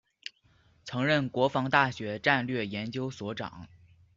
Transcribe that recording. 曾任国防大学战略研究所长。